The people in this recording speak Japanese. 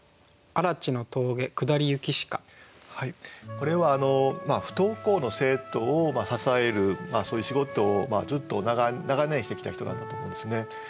これは不登校の生徒を支えるそういう仕事をずっと長年してきた人なんだと思うんですね。